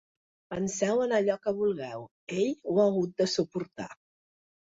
Penseu en allò que vulgueu, ell ho ha hagut de suportar.